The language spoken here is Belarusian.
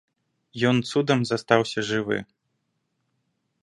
Ён цудам застаўся жывы.